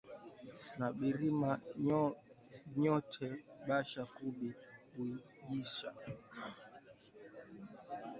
Na birima byote basha kubi uijisha